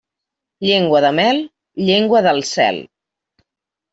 Llengua de mel, llengua del cel.